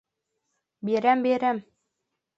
— Бирәм, бирәм.